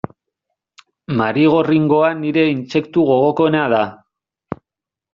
Marigorringoa nire intsektu gogokoena da.